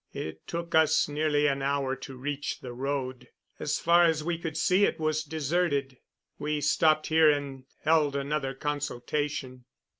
It took us nearly an hour to reach the road. As far as we could see it was deserted. We stopped here and held another consultation.